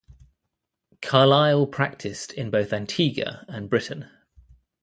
Carlisle practised in both Antigua and Britain.